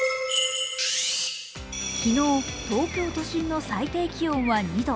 昨日、東京都心の最低気温は２度。